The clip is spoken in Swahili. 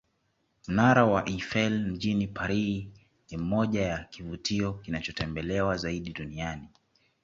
Mnara wa Eifel mjini Paris ni mmoja ya kivutio kinachotembelewa zaidi duniani